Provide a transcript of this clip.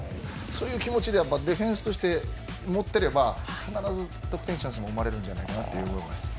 そういう気持ちでディフェンスとして期待を持っていれば必ず得点チャンスも生まれると思います。